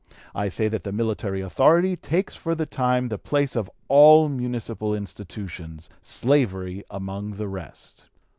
I say that the military authority takes for the time the place of all municipal institutions, slavery among the rest.